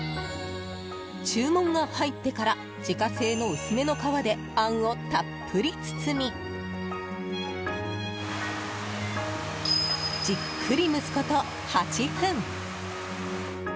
注文が入ってから自家製の薄めの皮であんをたっぷり包みじっくり蒸すこと８分。